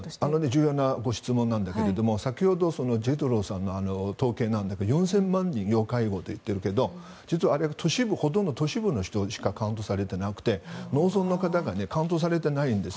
重要な質問なんだけど先ほどＪＥＴＲＯさんの統計なんだけど４０００万人要介護と言ってるけど実はあれ、ほとんど都市部の人しかカウントされていなくて農村の方がカウントされてないんです。